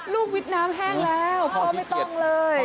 วิทย์น้ำแห้งแล้วพ่อไม่ต้องเลย